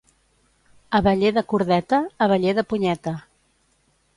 Abeller de cordeta, abeller de punyeta.